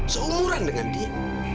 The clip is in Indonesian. seumuran dengan dia